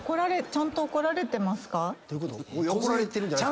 ちゃんと怒られてますか？